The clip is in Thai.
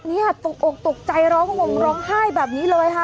เนี่ยตกอกตกใจร้องห่มร้องไห้แบบนี้เลยค่ะ